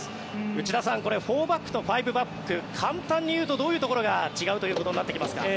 内田さん４バックと５バック簡単に言うとどういうところが違うということになってきますか？